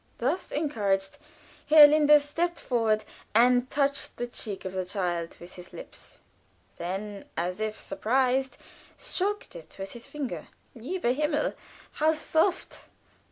Thus encouraged, Herr Linders stooped forward and touched the cheek of the child with his lips; then, as if surprised, stroked it with his finger. "Lieber Himmel! how soft!